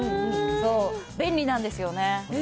便利なんですよね。